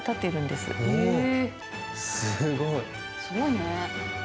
すごいね。